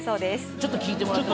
ちょっと聴いてもらって。